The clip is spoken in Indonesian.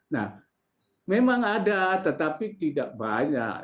nah memang ada tetapi tidak banyak